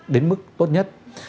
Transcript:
đến mức tốt nhất